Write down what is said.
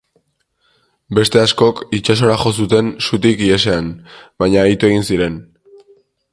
Beste askok itsasora jo zuten sutik ihesean, baina ito egin ziren.